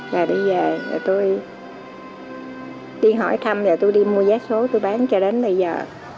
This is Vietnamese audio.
rồi đi về rồi tôi đi hỏi thăm rồi tôi đi mua giá số tôi bán cho đến bây giờ